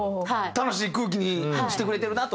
楽しい空気にしてくれてるなと。